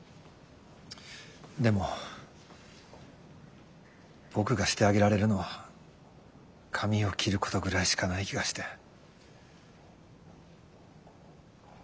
でも僕がしてあげられるのは髪を切ることぐらいしかない気がして。